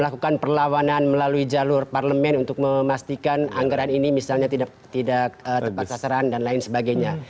melakukan perlawanan melalui jalur parlemen untuk memastikan anggaran ini misalnya tidak tepat sasaran dan lain sebagainya